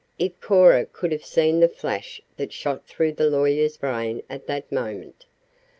(If Cora could have seen the flash that shot through the lawyer's brain at that moment.)